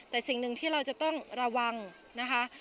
แต่สิ่งหนึ่งที่เราจะต้องระวังนะคะ